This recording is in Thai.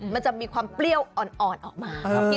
มันจะมีความเปรี้ยวอ่อนออกมา